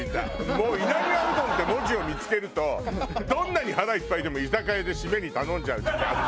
もう「稲庭うどん」って文字を見付けるとどんなに腹いっぱいでも居酒屋で締めに頼んじゃう時期あった。